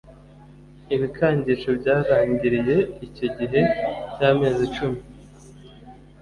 ibikangisho byarangiriye icyo gihe cy amezi cumi